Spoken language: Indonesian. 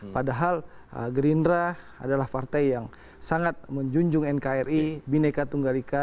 padahal gerindra adalah partai yang sangat menjunjung nkri bineka tunggal ika